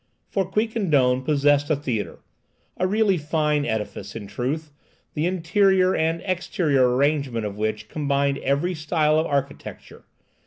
For Quiquendone possessed a theatre—a really fine edifice, in truth—the interior and exterior arrangement of which combined every style of architecture.